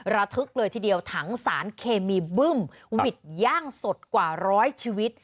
ระทึกเลยทีเดียวถังสารเคมีบึ้มหวิดย่างสดกว่าร้อยชีวิต